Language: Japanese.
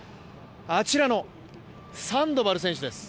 あちらのサンドバル選手です。